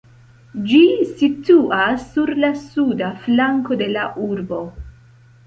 Ĝi situas sur la suda flanko de la urbo.